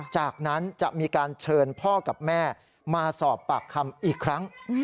จากนั้นจะมีการเชิญพ่อกับแม่มาสอบปากคำอีกครั้ง